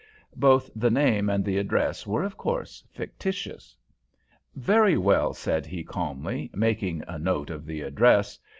Both the name and the address were of course fictitious. "Very well," said he, calmly, making a note of the address.